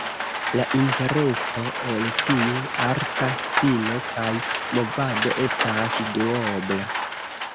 La intereso el tiu arta stilo kaj movado estas duobla.